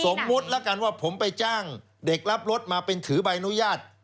สมมุติแล้วกันว่าผมไปจ้างเด็กรับรถมาเป็นถือใบอนุญาต